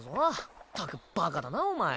ったくバカだなお前。